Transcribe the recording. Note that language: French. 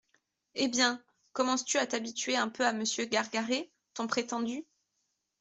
Eh bien, commences-tu à t’habituer un peu à Monsieur Gargaret, ton prétendu ?